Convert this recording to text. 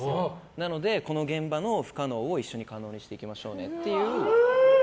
なので、この現場の不可能を一緒に可能にしていきましょうね。